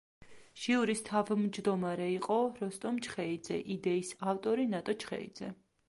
ჟიურის თავმჯდომარე იყო როსტომ ჩხეიძე, იდეის ავტორი ნატო ჩხეიძე.